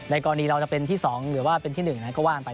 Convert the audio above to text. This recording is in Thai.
กรณีเราจะเป็นที่๒หรือว่าเป็นที่๑ก็ว่ากันไป